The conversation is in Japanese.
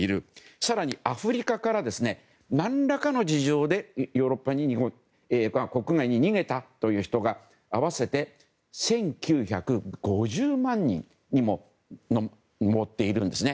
更にアフリカから何らかの事情でヨーロッパ国外に逃げたという人が合わせて１９５０万人にも上っているんですね。